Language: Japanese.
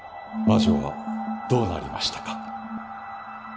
魔女はどうなりましたか？